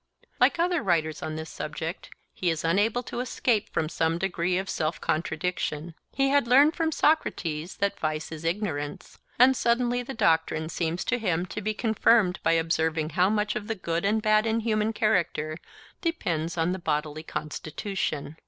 Like other writers on this subject, he is unable to escape from some degree of self contradiction. He had learned from Socrates that vice is ignorance, and suddenly the doctrine seems to him to be confirmed by observing how much of the good and bad in human character depends on the bodily constitution.